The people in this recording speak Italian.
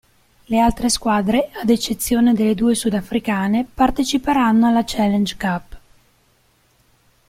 Le altre squadre, ad eccezione delle due sudafricane, parteciperanno alla Challenge Cup.